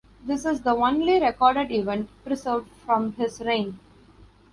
This is the only recorded event preserved from his reign.